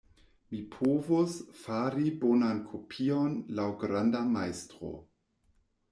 Mi povus fari bonan kopion laŭ granda majstro.